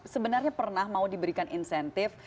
sebenarnya pernah mau diberikan insentif